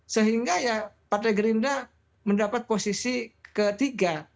sehingga ya partai gerindra mendapat posisi ketiga